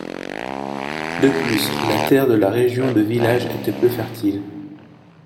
De plus, la terre de la région de village était peu fertile.